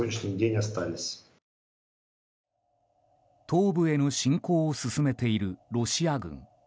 東部への侵攻を進めているロシア軍。